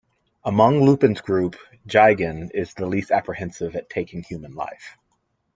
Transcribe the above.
Among Lupin's group, Jigen is the least apprehensive at taking human life.